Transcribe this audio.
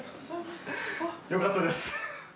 よかったです。